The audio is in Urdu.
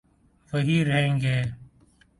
وہی رہیں گے۔